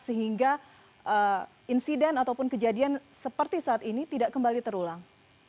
sehingga insiden ataupun kejadian seperti saat ini tidak kembali terulang